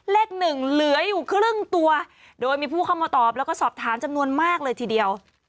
เลขหนึ่งเหลืออยู่ครึ่งตัวโดยมีผู้เข้ามาตอบแล้วก็สอบถามจำนวนมากเลยทีเดียว